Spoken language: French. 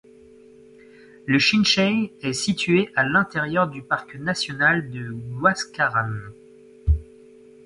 Le Chinchey est situé à l'intérieur du parc national de Huascarán.